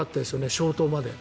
消灯まで。